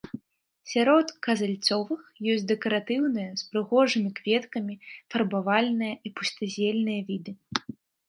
Сярод казяльцовых ёсць дэкаратыўныя з прыгожымі кветкамі, фарбавальныя і пустазельныя віды.